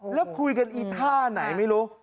แล้วคุยกันอีท่าไหนไม่รู้